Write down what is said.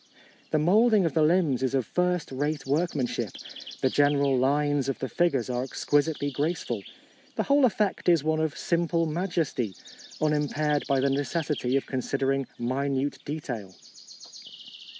The moulding of the limbs is of first rate workmanship, the general lines of the figures are exquisitely graceful — the whole effect is one of simple majesty, unimpaired by the necessity of considering minute de tail.